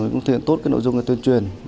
cũng thể hiện tốt nội dung tuyên truyền